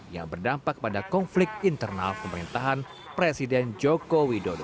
yang berdampak pada konflik internal pemerintahan presiden joko widodo